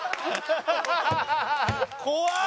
怖っ！